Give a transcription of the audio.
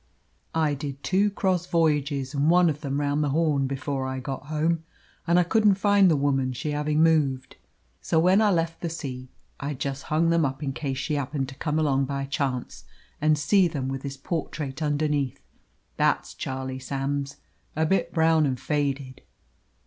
I did two cross voyages, and one of them round the Horn, before I got home, and I couldn't find the woman, she having moved. So when I left the sea, I just hung them up in case she happened to come along by chance and see them with his portrait underneath. That's Charlie Sams a bit brown and faded.